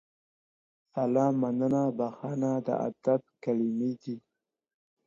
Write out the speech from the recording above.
سلام، مننه، بخښنه د ادب کلیمې دي.